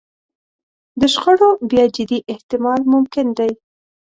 د شخړو بیا جدي احتمال ممکن دی.